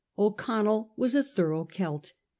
O'Connell was a thorough Celt.